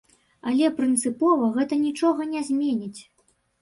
Але прынцыпова гэта нічога не зменіць.